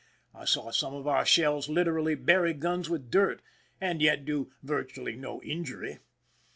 I saw some of our shells literally bury guns with dirt and yet do virtually no injury.